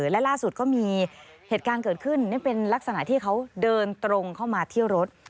และล่าสุดก็มีเหตุการณ์เกิดขึ้นนี่เป็นลักษณะที่เขาเดินตรงเข้ามาเที่ยวรถ